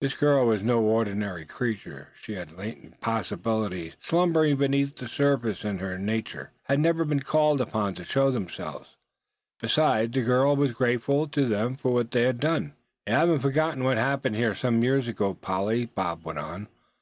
This girl was no ordinary creature; she had latent possibilities slumbering beneath the surface in her nature, that, as yet, had never been called upon to show themselves. Besides, the girl was grateful to them for what they had done. "You haven't forgotten what happened here some years ago, Polly," Bob went on.